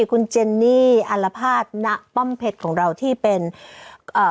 คุณเจนนี่อารภาษณป้อมเพชรของเราที่เป็นเอ่อ